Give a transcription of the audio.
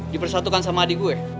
dipersatukan sama adik gue